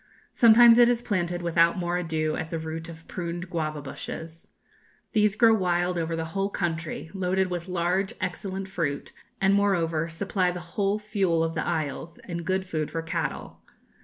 Sometimes it is planted without more ado at the root of pruned guava bushes. These grow wild over the whole country, loaded with large, excellent fruit, and, moreover, supply the whole fuel of the isles, and good food for cattle....